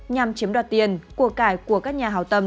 nhằm chiếm đoạt tiền của cải của các nhà hào tâm